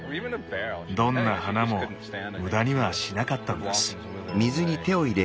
どんな花も無駄にはしなかったんです。